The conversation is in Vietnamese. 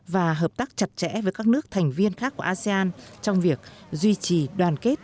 và hợp tác chặt chẽ với các nước thành viên khác của asean trong việc duy trì đoàn kết